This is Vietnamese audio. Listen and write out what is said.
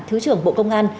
thứ trưởng bộ công an